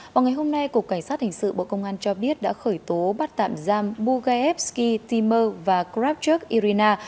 vào ngày hôm nay cục cảnh sát hình sự bộ công an cho biết đã khởi tố bắt tạm giam bugaevsky timur và kravchuk irina